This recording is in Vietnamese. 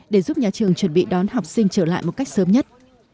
để giúp nhà trường chuẩn bị đón học sinh trở lại một cách sớm nhất